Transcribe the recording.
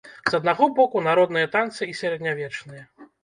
З аднаго боку, народныя танцы і сярэднявечныя.